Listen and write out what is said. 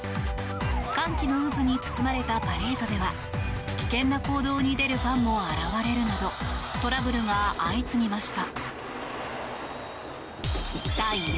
歓喜の渦に包まれたパレードでは危険な行動に出るファンも現れるなどトラブルが相次ぎました。